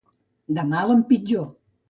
De mal en pitjor.